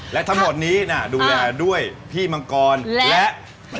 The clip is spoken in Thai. และทั้งหมดนี้ดูแลด้วยพี่มังกรและ